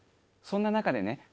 そんな中でね